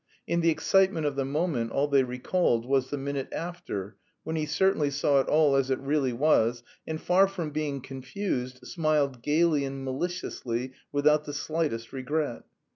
In the excitement of the moment all they recalled was the minute after, when he certainly saw it all as it really was, and far from being confused smiled gaily and maliciously "without the slightest regret."